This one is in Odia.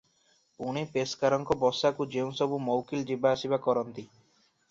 ପୁଣି ପେସ୍କାରଙ୍କ ବସାକୁ ଯେଉଁ ସବୁ ମଉକିଲ ଯିବା ଆସିବା କରନ୍ତି